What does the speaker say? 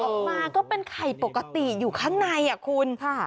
กลับมาก็เป็นไข่ปกติอยู่ข้างใน